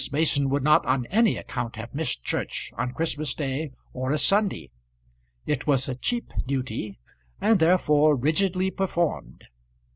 Mason would not on any account have missed church on Christmas day or a Sunday. It was a cheap duty, and therefore rigidly performed.